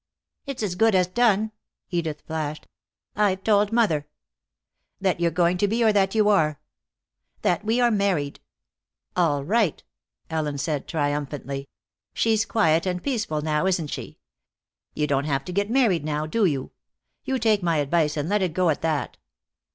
"It's as good as done," Edith flashed. "I've told mother." "That you're going to be, or that you are?" "That we are married." "All right," Ellen said triumphantly. "She's quiet and peaceful now, isn't she? You don't have to get married now, do you? You take my advice, and let it go at that."